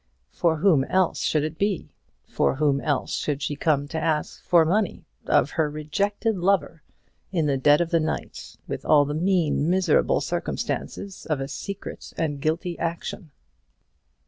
"For whom else should it be? for whom else should she come to ask for money of her rejected lover in the dead of the night, with all the mean, miserable circumstances of a secret and guilty action?